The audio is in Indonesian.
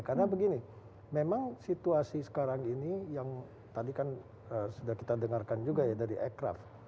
karena begini memang situasi sekarang ini yang tadi kan sudah kita dengarkan juga ya dari aircraft